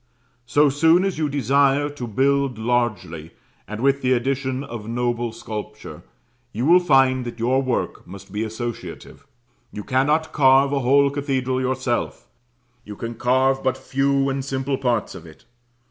So soon as you desire to build largely, and with addition of noble sculpture, you will find that your work must be associative. You cannot carve a whole cathedral yourself you can carve but few and simple parts of it.